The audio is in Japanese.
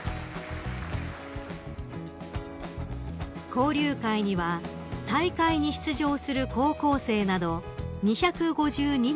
［交流会には大会に出場する高校生など２５２人が出席］